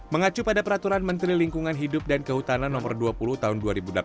mengacu pada peraturan menteri lingkungan hidup dan kehutanan no dua puluh tahun dua ribu delapan belas